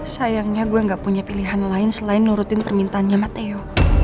sayangnya gue gak punya pilihan lain selain nurutin permintaannya mateo